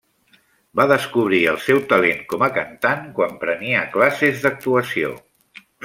Va descobrir el seu talent com a cantant quan prenia classes d'actuació.